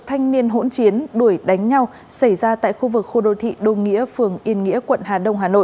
thanh niên hỗn chiến đuổi đánh nhau xảy ra tại khu vực khu đô thị đô nghĩa phường yên nghĩa quận hà đông hà nội